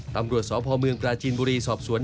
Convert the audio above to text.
ตำรวจสพเมืองปราจีนบุรีสอบสวน